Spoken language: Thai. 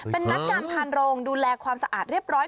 เป็นนักการพานโรงดูแลความสะอาดเรียบร้อย